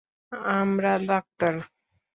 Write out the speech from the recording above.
আমরা ডাক্তার।